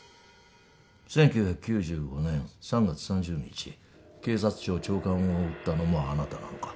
１９９５年３月３０日警察庁長官を撃ったのもあなたなのか？